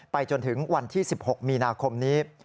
จนถึงวันที่๑๖มีนาคมนี้